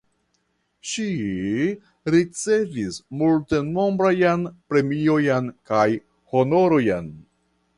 Ŝi ricevis multenombrajn premiojn kaj honorojn.